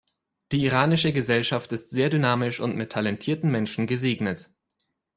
Die iranische Gesellschaft ist sehr dynamisch und mit talentierten Menschen gesegnet.